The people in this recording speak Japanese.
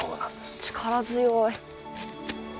力強い。